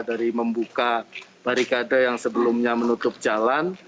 dari membuka barikade yang sebelumnya menutup jalan